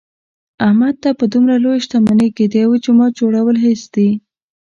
احمد ته په دمره لویه شتمنۍ کې د یوه جومات جوړل هېڅ دي.